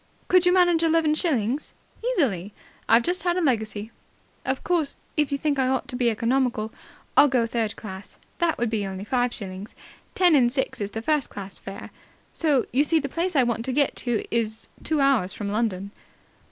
Could you manage eleven shillings?" "Easily. I've just had a legacy." "Of course, if you think I ought to be economical, I'll go third class. That would only be five shillings. Ten and six is the first class fare. So you see the place I want to get to is two hours from London."